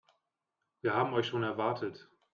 Wir haben euch schon erwartet.